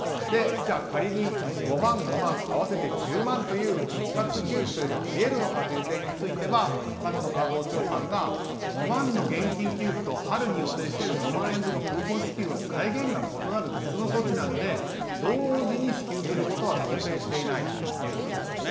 仮に５万、５万合わせて１０万という一括給付はあり得るのかという点については松野官房長官が５万の現金給付と春に予定している５万円のクーポン支給は財源が異なる別の措置なので同時に支給することは想定していないということですよね。